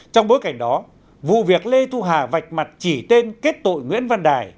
trong bối cảnh đó vụ việc lê thu hà vạch mặt chỉ tên kết tội nguyễn văn đài